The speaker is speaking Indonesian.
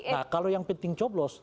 nah kalau yang penting coblos